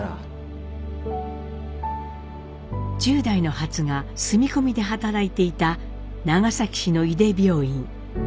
１０代のハツが住み込みで働いていた長崎市の井手病院。